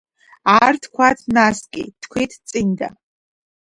არ თქვათ ნასკი თქვით წინდა